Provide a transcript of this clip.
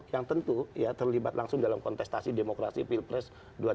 yang tentu ya terlibat langsung dalam kontestasi demokrasi pilpres dua ribu sembilan belas